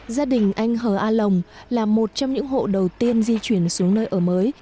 gia đình anh hờ a lồng là một trong những hộ đầu tiên di chuyển xuống nơi ở mới